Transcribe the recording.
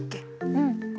うん。